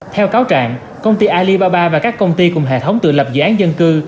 theo cáo trạng công ty alibaba và các công ty cùng hệ thống tự lập dự án dân cư